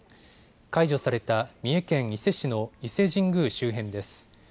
解除された三重県伊勢市の伊勢神宮周辺です。